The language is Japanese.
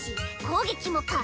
攻撃も可！